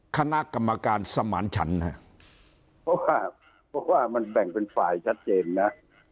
คณะกรรมการสมันต์ฉันฮะเพราะว่ามันแบ่งเป็นฝ่ายชัดเจนนะ